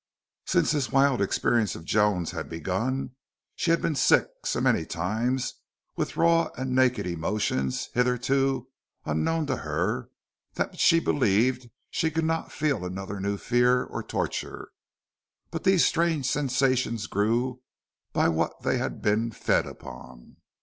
Since this wild experience of Joan's had begun she had been sick so many times with raw and naked emotions hitherto unknown to her, that she believed she could not feel another new fear or torture. But these strange sensations grew by what they had been fed upon.